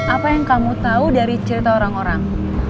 apa yang kamu tahu dari cerita orang orang